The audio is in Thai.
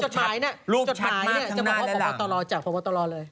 จดหมายนี่จดหมายนี่จะบอกว่าถอบอตตะลอจากถอบอตตะลอเลย